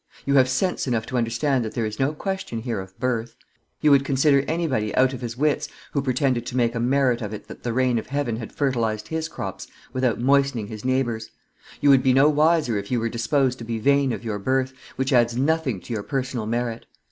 You have sense enough to understand that there is no question here of birth. You would consider anybody out of his wits who pretended to make a merit of it that the rain of heaven had fertilized his crops without moistening his neighbors. You would be no wiser if you were disposed to be vain of your birth, which adds nothing to your personal merit.